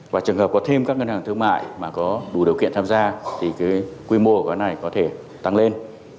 và trường hợp có thêm các ngân hàng thương mại mà có đủ điều kiện tham gia thì cái quy mô của cái này có thể tăng lên